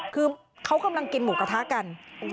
คือเขากำลังกินหมูกระทะกัน